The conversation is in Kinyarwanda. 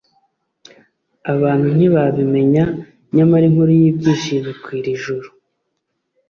Abantu ntibabimenya, nyamara inkuru y'ibyishimo ikwira ijuru